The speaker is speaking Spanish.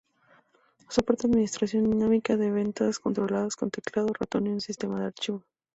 Soporta administración dinámica de ventanas controladas con teclado, ratón y un sistema de archivos.